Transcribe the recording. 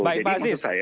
jadi maksud saya